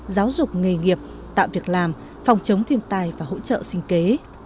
giáo dục nghề nghiệp tạo việc làm phòng chống thiên tai và hỗ trợ sinh kế